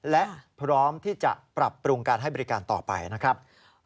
และพร้อมที่จะปรับปรุงการให้บริการต่อไปนะครับ